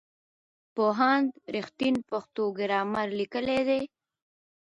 پوهاند رښتین پښتو ګرامر لیکلی دی.